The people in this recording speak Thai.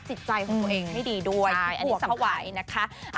จิตใจของตัวเองไม่ดีด้วยที่สวัยนะคะ